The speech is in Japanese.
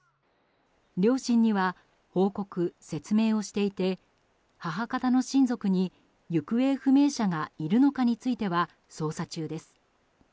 両親には報告・説明をしていて母方の親族に行方不明者がいるのかについては捜査中です。